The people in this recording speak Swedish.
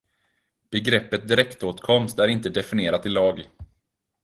Begreppet direktåtkomst är inte definierat i lag.